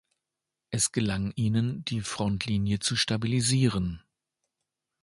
Es gelang ihnen, die Frontlinie zu stabilisieren.